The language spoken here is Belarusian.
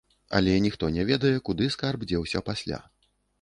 Але ніхто не ведае, куды скарб дзеўся пасля.